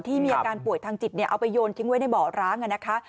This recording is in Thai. ที่มีอาการป่วยทางจิตเอาไปโยนทิ้งไว้ในบ่อร้าง